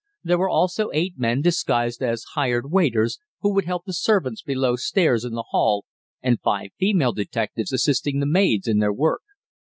There were also eight men disguised as hired waiters, who would help the servants below stairs in the Hall, and five female detectives assisting the maids in their work.